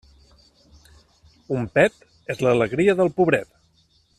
Un pet és l'alegria del pobret.